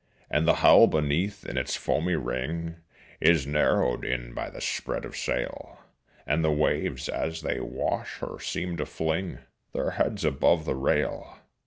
And the hull beneath in its foamy ring Is narrowed in by the spread of sail, And the waves as they wash her seem to fling Their heads above the rail.